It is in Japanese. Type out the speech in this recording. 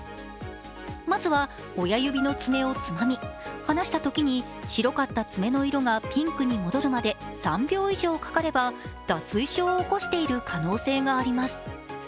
まずは、親指の爪をつまみ離したときに白かった爪の色がピンクに戻るまで３秒以上かかれば脱水症を起こしている可能性があります。